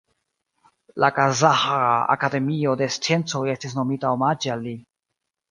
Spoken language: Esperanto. La Kazaĥa Akademio de Sciencoj estis nomita omaĝe al li.